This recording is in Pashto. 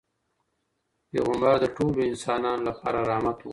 پيغمبر د ټولو انسانانو لپاره رحمت و.